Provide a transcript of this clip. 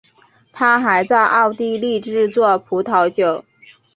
他还在奥地利制作葡萄酒。